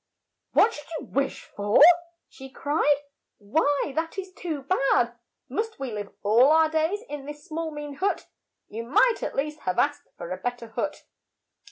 "What should you wish for?" she cried. "Why, that is too bad! Must we live all our days in this small mean hut? You might at least have asked for a bet ter hut.